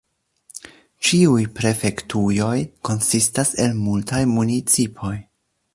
Ĉiuj prefektujoj konsistas el multaj municipoj.